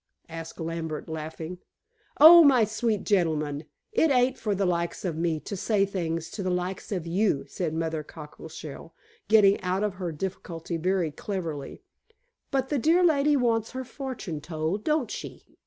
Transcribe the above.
asked Lambert laughing. "Oh, my sweet gentleman, it ain't for the likes of me to say things to the likes of you," said Mother Cockleshell, getting out of her difficulty very cleverly, "but the dear lady wants her fortune told, don't she?"